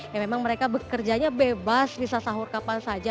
ya memang mereka bekerjanya bebas bisa sahur kapan saja